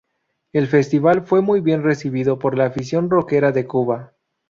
El festival fue muy bien recibido por la afición rockera de Cuba.